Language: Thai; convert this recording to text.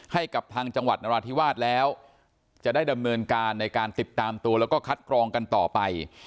ให้กับทางจังหวัดนราธิวาสแล้วจะได้ดำเนินการในการติดตามตัวแล้วก็คัดกรองกันต่อไป